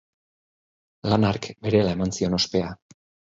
Lan hark berehala eman zion ospea.